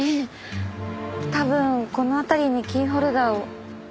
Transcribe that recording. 多分この辺りにキーホルダーを。